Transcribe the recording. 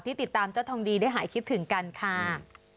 ที่ติดตามเจ้าทองดีสิ่งที่ได้หายคิดถึงกันด้วยค่ะ